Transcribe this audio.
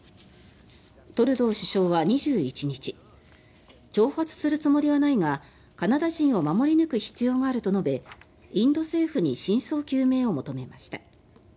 トルドー首相は２１日挑発するつもりはないがカナダ人を守り抜く必要があると述べインド政府に真相究明を求めました。